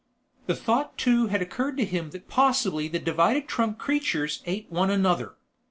The thought too had occurred to him that possibly the divided trunk creatures ate one another.